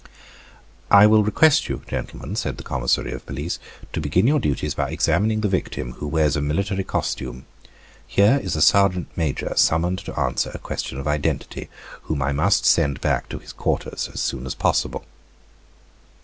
"I will request you, gentlemen," said the commissary of police, "to begin your duties by examining the victim who wears a military costume. Here is a sergeant major summoned to answer a question of identity, whom I must send back to his quarters as soon as possible."